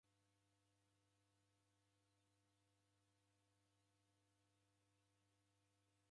Vilongozi va siasa repinga vaw'iaghaluka.